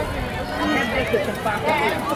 তুমি নিজের জন্য একটা বানিয়েছিলে, ঠিক?